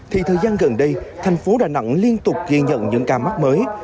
thì thời gian gần đây thành phố đà nẵng liên tục ghi nhận những ca mắc mới